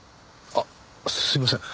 あっすいません。